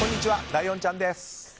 ライオンちゃんです。